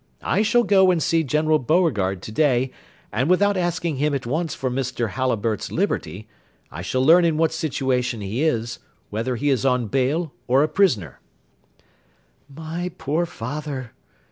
I shall go and see General Beauregard to day, and, without asking him at once for Mr. Halliburtt's liberty, I shall learn in what situation he is, whether he is on bail or a prisoner." "My poor father!"